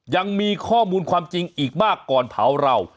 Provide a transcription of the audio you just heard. ยังมีข้อมูลความจริงอีกมากก่อนเผาเรา